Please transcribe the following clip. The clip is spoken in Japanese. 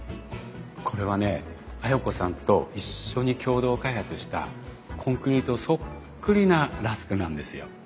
これはね綾子さんと一緒に共同開発したコンクリートそっくりなラスクなんですよ。